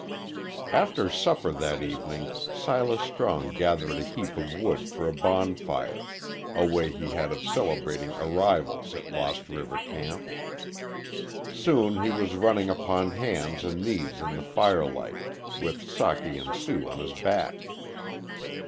After supper that evening Silas Strong gathered a heap of wood for a bonfire a way he had of celebrating arrivals at Lost River camp. Soon he was running upon hands and knees in the firelight, with Socky and Sue on his back.